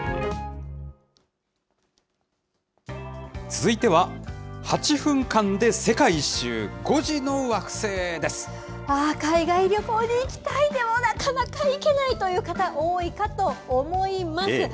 続いては、８分間で世界一周、あー、海外旅行に行きたい、でも、なかなか行けないという方、多いかと思います。